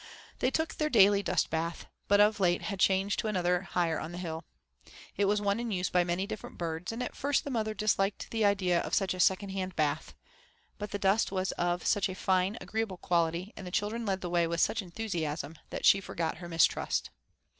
They took their daily dust bath, but of late had changed to another higher on the hill. It was one in use by many different birds, and at first the mother disliked the idea of such a second hand bath. But the dust was of such a fine, agreeable quality, and the children led the way with such enthusiasm, that she forgot her mistrust.